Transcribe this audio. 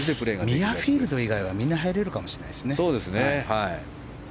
ミュアフィールド以外は入れるかもしれないですね。